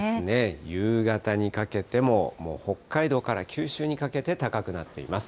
夕方にかけてももう北海道から九州にかけて高くなっています。